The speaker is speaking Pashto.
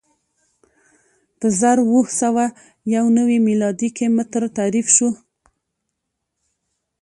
په زر اووه سوه یو نوې میلادي کې متر تعریف شو.